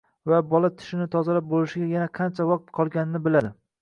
va bola tishini tozalab bo‘lishiga yana qancha vaqt qolganini biladi.